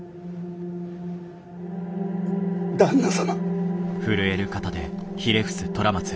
旦那様。